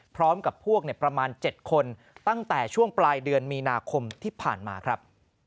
พร้อมกับพวกประมาณ๗คนตั้งแต่ช่วงปลายเดือนมีนาคมที่ผ่านมาครับ